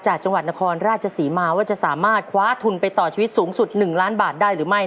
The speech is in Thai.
จังหวัดนครราชศรีมาว่าจะสามารถคว้าทุนไปต่อชีวิตสูงสุด๑ล้านบาทได้หรือไม่